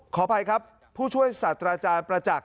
ขออภัยครับผู้ช่วยศาสตราจารย์ประจักษ์